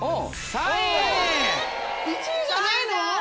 ３位じゃないか！